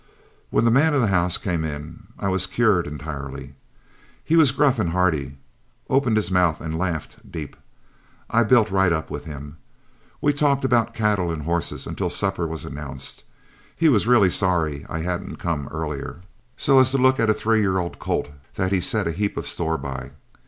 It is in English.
When the man of the house came in I was cured entirely. He was gruff and hearty, opened his mouth and laughed deep. I built right up to him. We talked about cattle and horses until supper was announced. He was really sorry I hadn't come earlier, so as to look at a three year old colt that he set a heap of store by.